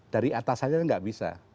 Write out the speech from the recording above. dari atas saja nggak bisa